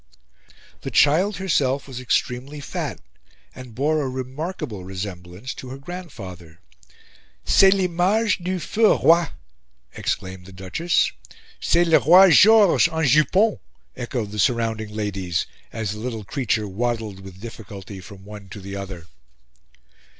The child herself was extremely fat, and bore a remarkable resemblance to her grandfather. "C'est l'image du feu Roi!" exclaimed the Duchess. "C'est le Roi Georges en jupons," echoed the surrounding ladies, as the little creature waddled with difficulty from one to the other.